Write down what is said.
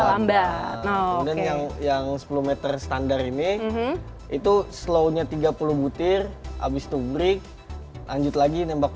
lambat yang sepuluh meter standar ini itu slownya tiga puluh butir habis itu break lanjut lagi nembak